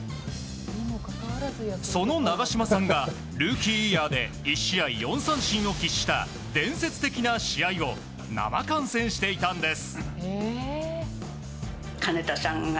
その長嶋さんがルーキーイヤーで１試合４三振を喫した伝説的な試合を生観戦していたんです。